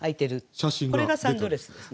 これがサンドレスですね。